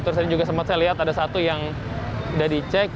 terus ini juga sempat saya lihat ada satu yang sudah dicek